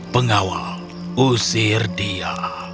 pengawal usir dia